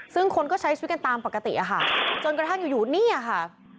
ซึ่งคนก็ใช้สวิกกันตามปกติจนกระทั่งอยู่นี่ค่ะ